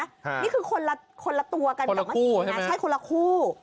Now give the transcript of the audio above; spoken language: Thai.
นี่คือคนละตัวกันคนละคู่ใช่ไหมใช่คนละคู่